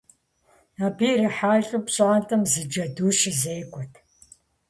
Абы ирихьэлӀэу пщӀантӀэм зы джэду щызекӀуэрт.